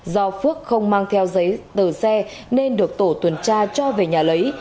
do phước không mang theo giấy tờ xe nên được tổ tuần tra cho về nhà lấy